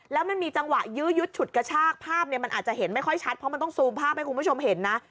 แล้วมันมีจังหวะยื้อยุดฉุดกระชากภาพเนี่ยมันอาจจะเห็นไม่ค่อยชัดเพราะมันต้องซูมภาพให้คุณผู้ชมเห็นนะ